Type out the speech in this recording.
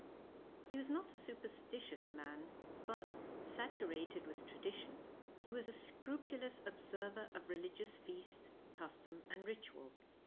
He was not a superstitious man, but, saturated with tradition, he was a scrupulous observer of religious feast, custom, and ritual.